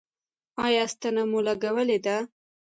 ایا ستنه مو لګولې ده؟